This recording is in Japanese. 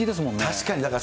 確かに。